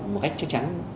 một cách chắc chắn